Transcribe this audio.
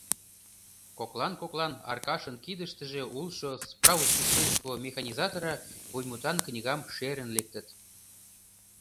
Коклан-коклан Аркашын кидыштыже улшо «Справочник сельского механизатора» вуймутан книгам шерын лектыт.